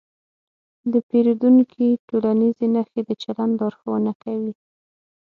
د پیریدونکي ټولنیزې نښې د چلند لارښوونه کوي.